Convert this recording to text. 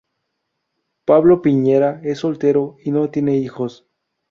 Pablo Piñera es soltero y no tiene hijos.